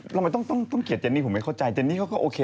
ทำไมต้องต้องเขียนเจนนี่ผมไม่เข้าใจเจนนี่เขาก็โอเค